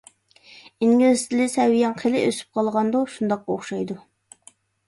_ ئىنگلىز تىلى سەۋىيەڭ خېلى ئۆسۈپ قالغاندۇ؟ _ شۇنداق ئوخشايدۇ.